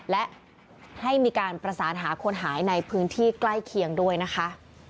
และให้มีการประสานหาคนหายในพื้นที่ใกล้เคียงด้วยนะคะ